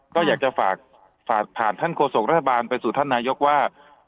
ก็อยากจะฝากผ่านท่านโฆษกรัฐบาลไปสู่ท่านนายกว่า